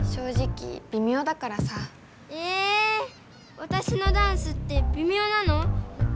わたしのダンスってびみょうなの？